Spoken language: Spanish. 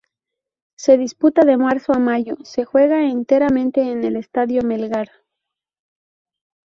Se disputa de marzo a mayo se juega enteramente en el Estadio Melgar.